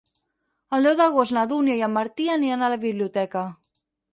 El deu d'agost na Dúnia i en Martí aniran a la biblioteca.